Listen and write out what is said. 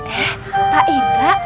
eh pak indra